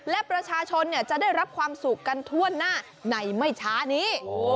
และประชาชนจะได้รับความสุขกันทั่วหน้าในไม่ช้านี้